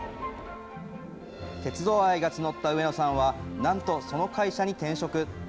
鉄道愛が募った上野さんは、なんと、その会社に転職。